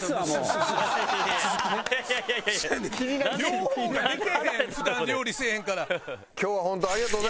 両方ができへん普段料理せえへんから。